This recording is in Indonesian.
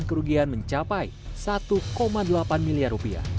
kerugian mencapai rp satu delapan miliar